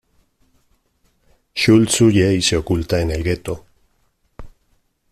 Schultz huye y se oculta en el gueto.